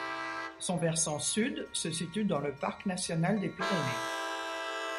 Son versant sud se situe dans le parc national des Pyrénées.